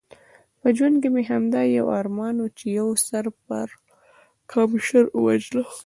په ژوند کې مې همدا یو ارمان و، چې یو سر پړکمشر ووژنم.